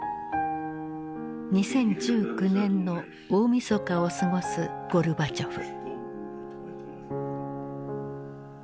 ２０１９年の大みそかを過ごすゴルバチョフ。